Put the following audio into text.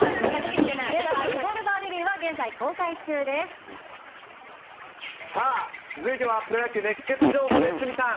映画、リボルバー・リリーはさあ、続いてはプロ野球熱ケツ情報です、鷲見さん。